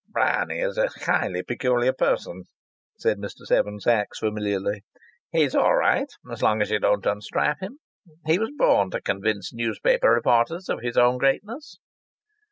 "Bryany is a highly peculiar person," said Mr. Seven Sachs, familiarly. "He's all right so long as you don't unstrap him. He was born to convince newspaper reporters of his own greatness."